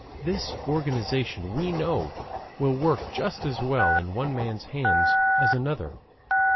This organization, we know, will work just as well in one man's hands as another's.